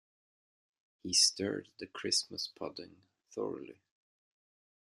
He stirred the Christmas pudding thoroughly.